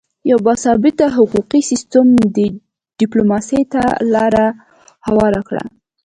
یو باثباته حقوقي سیستم ډیپلوماسي ته لاره هواره کړه